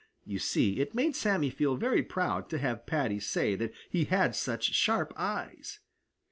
You see, it made Sammy feel very proud to have Paddy say that he had such sharp eyes.